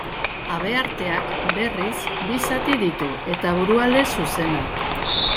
Habearteak, berriz, bi zati ditu, eta burualde zuzena.